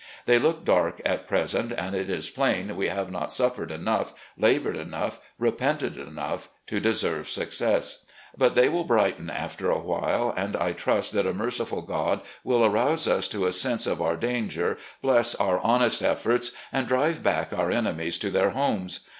They look dark at present, and it is plain we have not suffered enough, laboured enough, repented enough, to deserve success. But they will brighten after awhile, and I trust that a merciful God win arouse us to a sense of our danger, bless our honest efforts, and drive back our enemies to their homes.